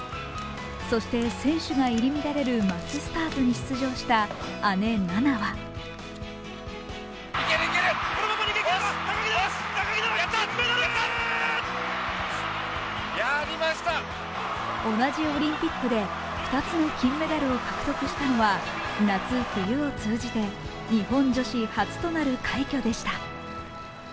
そして選手が入り乱れるマススタートに出場した姉・菜那は同じオリンピックで２つの金メダルを獲得したのは夏、冬を通じて日本女子初となる快挙でした。